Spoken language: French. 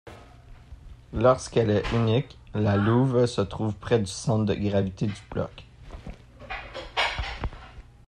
Lorsqu'elle est unique, la louve se trouve près du centre de gravité du bloc.